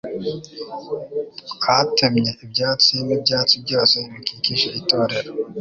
Twatemye ibyatsi n'ibyatsi byose bikikije itorero